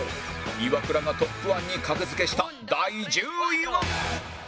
イワクラがトップ１に格付けした第１０位は